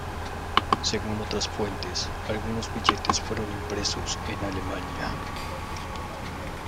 Según otras fuentes, algunos billetes fueron impresos en Alemania.